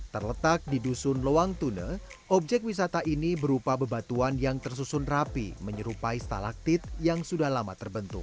terletak di dusun loang tune objek wisata ini berupa bebatuan yang tersusun rapi menyerupai stalaktit yang sudah lama terbentuk